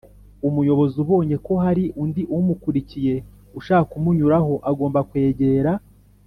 Umuyobozi ubonye ko hari undi umukurikiye ushaka kumunyuraho agomba kwegera